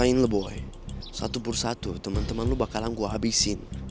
rasain lo boy satu persatu temen temen lo bakalan gue habisin